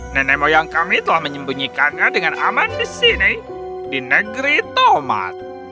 nenek moyang kami telah menyembunyikannya dengan aman di sini di negeri tomat